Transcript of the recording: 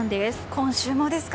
今週もですか。